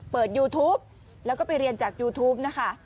ยูทูปแล้วก็ไปเรียนจากยูทูปนะคะ